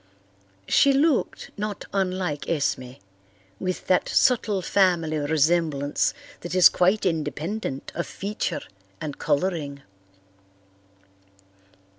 She looked not unlike Esme, with that subtle family resemblance that is quite independent of feature and colouring.